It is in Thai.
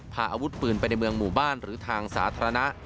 พาอาวุธปืนไปในเมืองหมู่บ้านหรือทางสาธารณะ